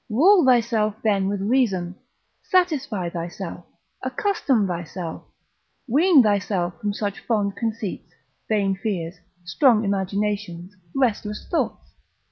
Rule thyself then with reason, satisfy thyself, accustom thyself, wean thyself from such fond conceits, vain fears, strong imaginations, restless thoughts.